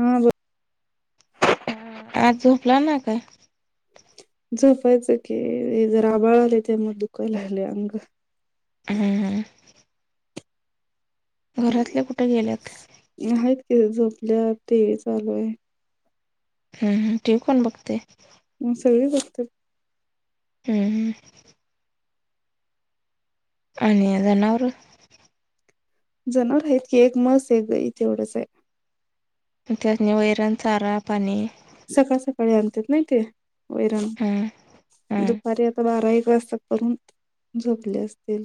हा बो आज झोपला नाइ काय? झोपायचं की, जरा आबाळ आलय तेन दुखालय लागलय अंग. हम्म हम्म. घरातले कुठे गेल्यात? ती झोपल्या, टी व्ही चालू आय. हम्म, हम्म. टिवी कोण बघतय? म सगळी बघत्यात. हुं हुं. आणि जनावरं. जनावरं आहेत की एक म्हस, एक गाई आहे तेवढंच हाय. त्यासनी वैरण, चारा, पाणी. सकाळ सकाळी आणत्यात नाही ते, वैरण हम्म हम्म दुपारी आता बारा, एक वाजता करून झोपले असतील.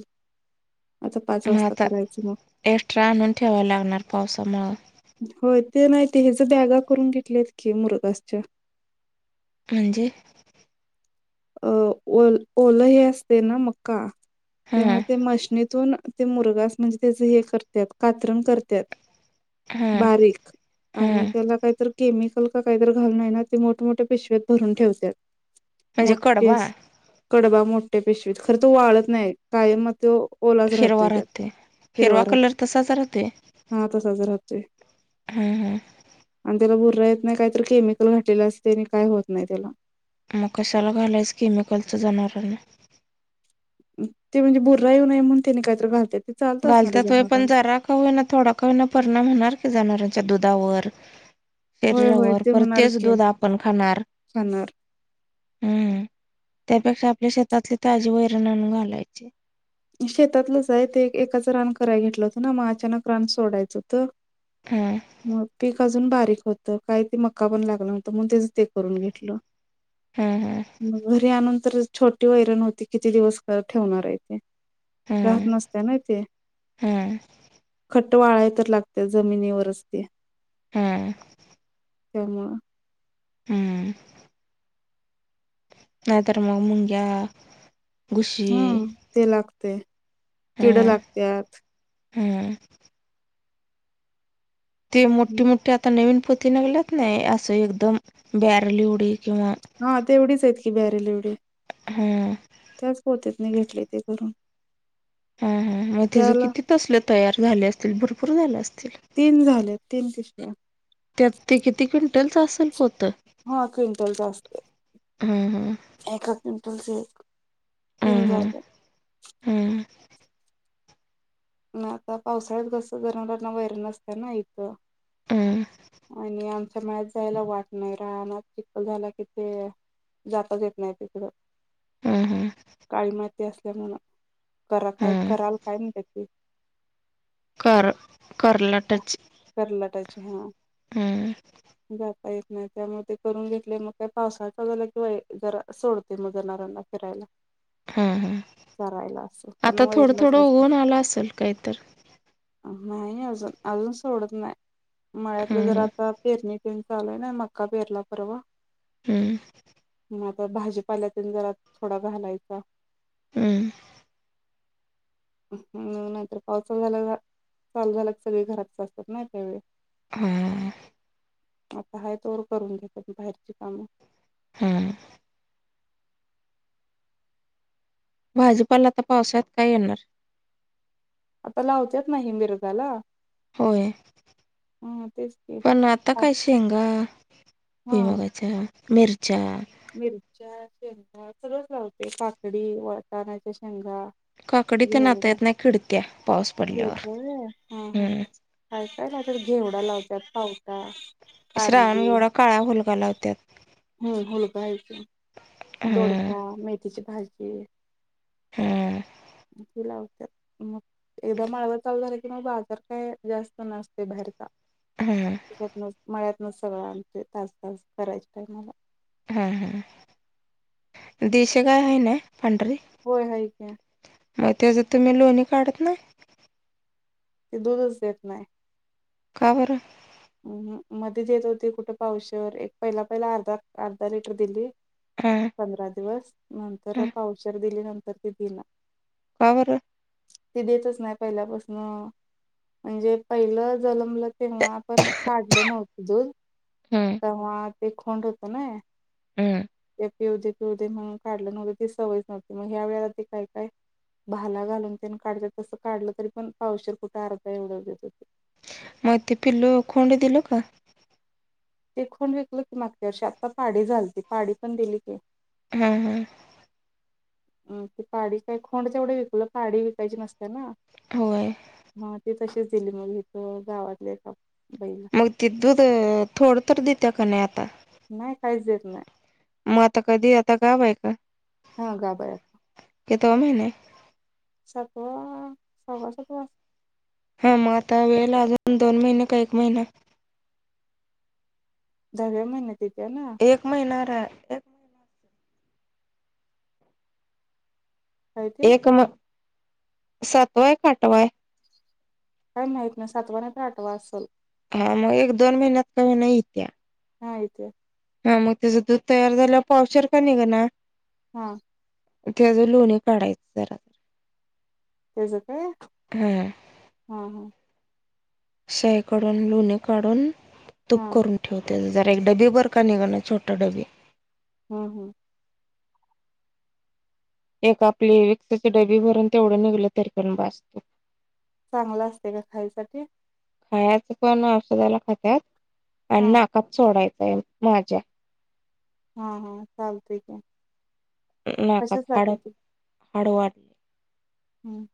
आता पाच मग वाजता आता करायचं मग एक्स्ट्रा आणून ठेवायला लागणार पावसामुळं हो. ते नाही ते हेच बॅगा करून घेतल्यात की मुरघास च्या. म्हणजे? अ वल ओलं हे असते ना मक्का तेव्हा हा ते मशनीतून ते मुरगास म्हणजे त्याच हे करत्यात, कातरण करत्यात. हा बारीक हा आणि त्याला कायतर केमिकल का काहीतर घालून हाय ना ते मोठ-मोठ्या पिशव्यात भरून ठेवत्यात. म्हणजे मोठी कडबा? अशी कडबा मोठ्या पिशवीत खर तो वाळत नाही कायम तो ओलाच हिरवा राहतोय त्यात राहते हिरवा कलर राहतो, तसाच राहते हा. तसाच राहतो. हा हा आणि त्याला बूर बुरा येत नाही काही तर केमिकल घातलेलं असतय आणि काय होत नाही त्याला. मग कशाला घालायच केमिकलच जनावरांना? ते म्हणजे बुर्रा येऊ नये म्हणून तेनी काहीतरी घालत्यात. ते चालत असणार आहे घालत्यात होय, पण जनावरांना. जरा का होई ना थोडा का हो ना परिणाम हुनार की जनावरां च्या दुधावर. होय होय शरीरावर, ते होणार परतच की दूध आपण खाणार. खाणार. हुं.. त्यापेक्षा आपल्या शेतातली ताजी वैरण आणून घालायची. ते शेतातलंच आहे ते एकाचं रान कराय घेतलं होतं ना मग अचानक रान सोडायचं होतं हम्म मग पीक अजून बारीक क होत काही ते मका पण लागला न्हवता मग तेच ते करून घेतलं हम्म म घरी आणन तरर छोटी वैरण होती किती दिवस ठेवणार आहे ते राहत हम्म नसत्या नाय तेे.. हम्म खट ट वाळाय तर लागत्या जमिनीवरच ते हुं त्यामुळं हुं हुं नायतर मग मुंग्या घुशी ह ते लागतय, किड लागल्यात हुं ते मोठी मोठी आता नवीन पोती निगल्यात नाही असं एकदम बॅरल एवढी किंवा हा तेवढीच आहेत की बॅरेल एवढी हम्म ती घेतल्याती करून हा हा मग तेज त्याला किती? तसले तयार झाले असतील भरपूर झालं असतील तीन झाल्यात तीन पिशव्या त्यात ते किती? क्विंटलच असेल पोत हा क्विंटलचा असत हम्म एका क्विंटलचे तीन हम्म झालं हम्म नाय आता पावसाळ्यात कस जनावरांना वैरण नसत ना इथं हम्म हम्म आणि आमच्या मळ्यात जायला वाट नाही रानात चिखल झाला कि ते जाताच येत नाही तिकडं हुं... हुं असल्या म्ह करा काय कराल काय ना त्याची क करला टच करलाटाची हा हम् जाता येत नाही त्यामुळे ते करून घेतले मग काय पावसाचा जला किंवा जरा सोडते मग ज नऱ्यांना फिरायला हा हा चरायला असं कारण आता थोडं वैरणच थोडं नसते उघून आलं असेल काहीत नाही अजून अजून सोडत नाही मळ्यातलं जर हम्म आता पेरणी चालय ना मक्का पेरला परवा हम्म आता भाजीपाल्यातील जरा थोडा घालायचा हम्म नाहीतर पावसाचाल झाला चालू झाला सगळे घरात असतात नाही त्यावेळी हम्म आता ह तोवर करून घेत बाहेरची कामं हम्म भाजपाला आता पावसाळ्यात काय येणार आता लावतेत नाही मिरगाला होय हा तेच की पण आता हा काय शेंगा पुई हा. मगाच्या मिरच्या मिरच्या शेंगा सर्वच लावते पाकडी वळटणाच्या शेंगा काकडी ते नाता घेवडा यत नाही खिडत्या पाऊस पडल्यावर तिडका हम्म कायला तर घेवडा लावतात पावता श्रावण एवढा काळा फुलगलावत्या हम्म हुळपायची हम्म दोडपा मेथीची भाजी हम्म लावत मग एकदा माळवा चालू झाला कि मग बाजार काय जास्त नसते बाहेरचा हम्म त्याच्यात मळ्यात न सगळं आमचे तास तास करायचे टामाला. हा हा देश गाय आहे ना. पांढरी होय हाय की मग त्याच तुम्ही लोणी काढत ना. ते दूधच देत नाही. काबर मध्येच येत होती कुठे पावशवर एक पहिला पहिला अर्धा अर्धा लिटर दिली. हा पंधरा दिवस नंतर हा पावचर दिल्यानंतर ते दिन. कर. ते देतच नाही पहिल्यापासून म्हणजे पहिलं झालं मला ते पण काढलं नव्हतं दूध हम्म तेव्हा ते खोंड होत ना. हम्म त्या येव देतो. ते मग काढलं नव्हते ते सवय नव्हती मग ह्या वेळेला ते काय काय? भाला घालून त्यानी काढतात तसं काढलं तरी पण पावशीर कुठे आर्ता एवढं देत होते. म ते पिलो खंड दिल का? ते खन विकल की मागच्या वर्ष आता पाडी झालती पाडीी पण दिली काी. हम्म हम्म. अम ते पाडी काय खोंड तेवढे विकलं पाडी विकायची नसते ना. होय. तसेच दिली मग इथ गावातले. मग तेि दूध थोड तर देत का नाही आता नाही काहीच येत नाही. मग आता कधी आता गाव आहे का? हा गाबाया. कतो महिने सातवा सव्वा सातवा हा मग आता वेळ अजून दोन महिने का एक महिना दहाव्या महिन्यात येत्या ना एक महिन र आहे एक महिना काय ते एक म सातवाय क अठवाय. काय माहीत नाही सातवा नाहीत आठवा असल. हा मग एक दोन महिन्यात कमी नाहीेत त्या हायत. हा मग त्याच दूध तयार झालंला पावचर का नाही ग ना. हम. त्या ज लोणी काढायच जरा तेच ते हा हा हा. शाही काून लुणी काढून तूप हा करून ठेवते. एक डबी बर का निघा ना छोटा डबी हम्म हम्म. एक आपली विकसाचे डबी भरून तेवढं निघलं तरी करून बजतो. चांगलं असते का खायसाठी. खायचं पण औषधाला खात्यात आणि हा नाकाप सोडायचंय माझ्या हा हा चालतय का? नाकाच हाड हाड वाढले. हम्म.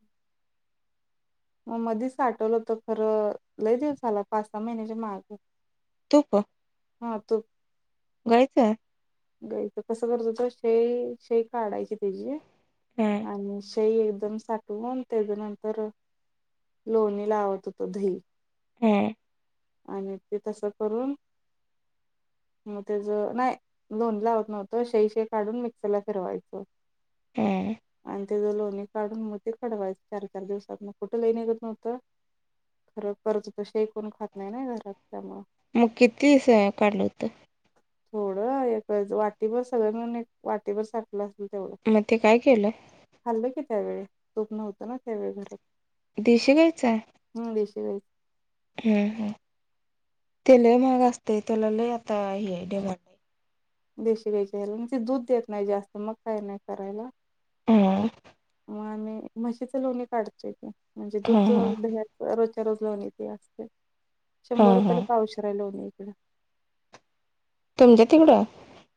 मग मधीच आठवलंत खरं लय देऊ झाला पाच सहा महिन्याच्या मार्ग तूफ हा त. गयचंय. गयच कसं करतो त शे शे काढायची त्याची हा आणि एकदम साठवून त्याच्या नंतर लोणी लावत होत दही हम आणि ते तसं करून मग त्याच नाही लोन लावत नव्हतं शे शे काढून मिक्सर ला फिरवायचं हम् ते लोणी काढून मग ते कडवायच चार चार दिवसात मग कुठं लईनघत नव्हतं खरं कर्च त शेक कोण खात नाही ना घरात त्यामुळं मग किती स काल होत थोडं वाटीभर सगळंून वाटीभर सारख मग ते काय केलं खाल्लं की त्यावेळी तोप् नव होतं ना त्यावेळी घरात देश घयचंय ह हम्म हम्म तेला मग असतेय त्यालाला आता ह आहे डेवां नाही देशी घ्यायच्याला म्हणजे दूध देत नाही जास्त मग काही नाही करायला हम आणि म्हशीच लोणी काढतोय ते म्हणजे हा दूच हा द्या र लोन येते असते हा शंभर रुपयाला हा. पाऊशर आहे लोनकड तुमच्या तिकडं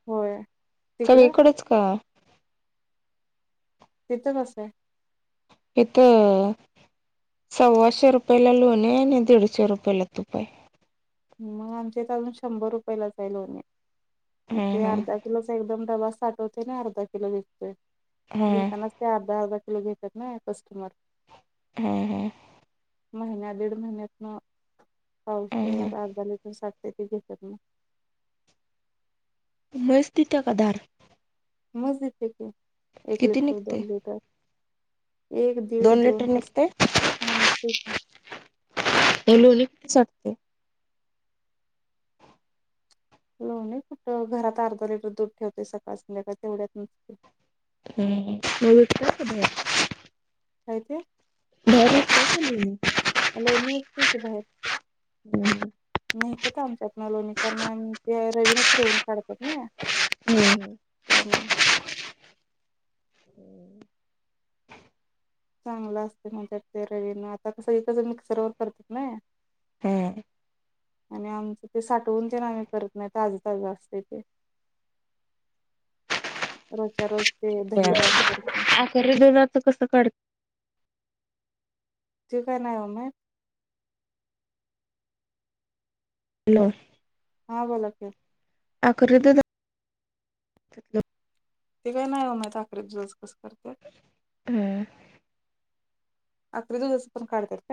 होय तिकडं सगळीकडच का तिथं कसं आहे हेथ सव्वाशे रुपयेला लोणी आणि दीडशे रुपय ला तुपा आहे मग आमच्या इथ अजून शंभर रुपयेलाच आहे लोन आहे मग ते हम्म हम्म अर्धा किलोच एकदम डबा साठवते ना अर्धा किलो विकते हा घतानास ते अर्धा अर्धा किलो घेतात ना कस्टमर हम्म हम्म महिन्या दीड महिन्यातन हा हा पावसर सते घशण मस्तीित काधार मस्जद आहे क एक लिटर निघते दोन लिटर एक दीड दोन लिटर कस निघते लणीते ल नाही कुठं घरात अर्धा लिटर दूध ठेवतेय सकाळ संध्याकाळ तेवढ्यात नसते हम्म म ठक अय ते बर बाहेर लोणी नाही आमच्यातन लोणी कारण आणि ते रवीना फिरवून काढतात ना हम्म त्यामुळून चांगलं असते माझ्या ते रवीन आता कसं इ कच मिक्सरवर करतात ना हम्म आणि आमचं ते साठवून ते ना आम्ही करत नाही ताज ताज असत ते रोजच्या रोज ते दही लावून करते आख दुधच कस काढत त का ना म हॅलो हा बोलाक आकर्त ते काय नाही हो मायख जज कसं करत हम अकरी दुध च पण काढत्यात.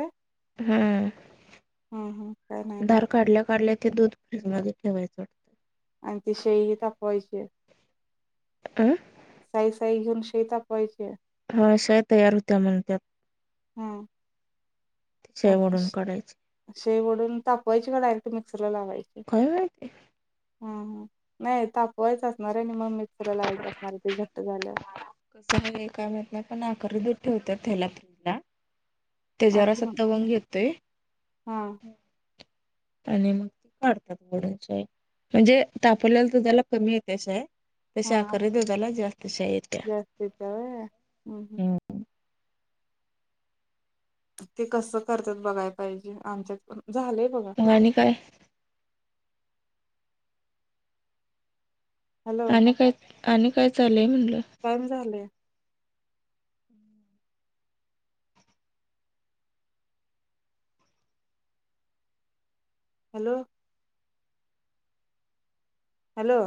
हम्म हम्म काय नाही थार माहित काढल्या काढल्या ते दूध फ्रीज मध्ये. ठेवायचं वाटतं. आणि साई तापवायचची. अं साई सई शई तापवायची. हा अशाय तयार होत्या म्हणतत. हा शाई वडून काढायची. शाई ओडून तापवायचे का डायरेक्ट मिक्सरला लावायचे. [inaudible] हा ह नाही तापवायचं असणार आहे आणि मग मिक्सर ला लावायचं असणार आहे ते घट्ट झाल्यावर. कसं ह काय माहित नाही पण आकारी दूध ठेवत त्याला त्याला. त्याच्यावर असा अच्छा. तवंग येतोय. हा आणि मग ते काढता ओडून शाई म्हणजे तापलेला तू त्याला कमी येते शाई. तशी आखरी दुधाला जास्त. शाई येत्या. जास्तीतव हम् हम् हम्म. ते कसं करतात बघाय पाहिजे आमच्यात पण झालंय बघा. मग आणि काय हॅलो आणि काय आणि काय चालय म्हणलं. टाइम झालंय हॅलो! हॅलो!